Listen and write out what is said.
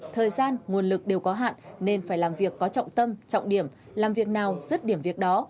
thời gian nguồn lực đều có hạn nên phải làm việc có trọng tâm trọng điểm làm việc nào dứt điểm việc đó